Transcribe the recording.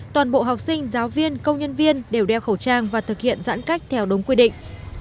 toàn bộ học sinh giáo viên công nhân viên đều đeo khẩu trang và thực hiện giãn cách theo đúng quy định